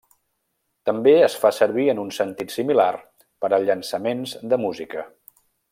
També es fa servir en un sentit similar per a llançaments de música.